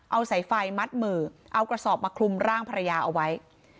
เอาสายไฟมัดมือเอากระสอบมาคลุมร่างภรรยาเอาไว้